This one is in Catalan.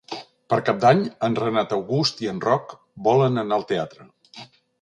Per Cap d'Any en Renat August i en Roc volen anar al teatre.